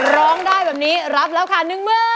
ร้องได้แบบนี้รับแล้วค่ะ๑๐๐๐๐บาท